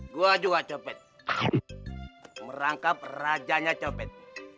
gua juga copet merangkap rajanya copet